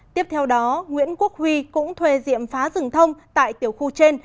tiếp theo đó nguyễn quốc huy cũng thuê diệm phá rừng thông tại tiểu khu trên